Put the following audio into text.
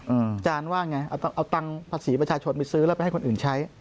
อาจารย์ว่าไงเอาตังค์ภาษีประชาชนไปซื้อแล้วไปให้คนอื่นใช้